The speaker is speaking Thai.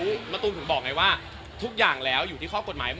มะตูมถึงบอกไงว่าทุกอย่างแล้วอยู่ที่ข้อกฎหมาย